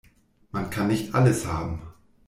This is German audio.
Man kann nicht alles haben.